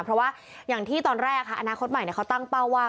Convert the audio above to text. เพราะว่าอย่างที่ตอนแรกอนาคตใหม่เขาตั้งเป้าว่า